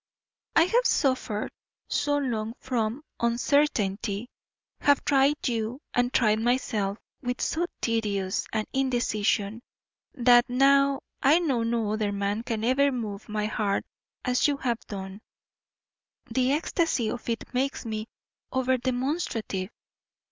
I have suffered so long from uncertainty, have tried you and tried myself with so tedious an indecision, that, now I know no other man can ever move my heart as you have done, the ecstasy of it makes me over demonstrative.